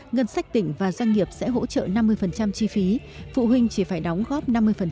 ngân sách tỉnh và doanh nghiệp sẽ hỗ trợ năm mươi chi phí phụ huynh chỉ phải đóng góp năm mươi